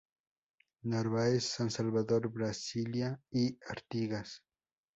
Narváez, San Salvador, Brasilia y Artigas.